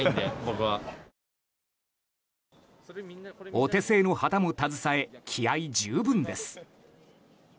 お手製の旗も携え気合十分です。